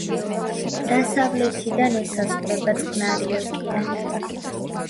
დასავლეთიდან ესაზღვრება წყნარი ოკეანე.